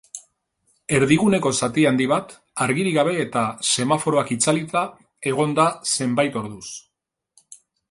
Erdiguneko zati handi bat argirik gabe eta semaforoak itzalita egon da zenbait orduz.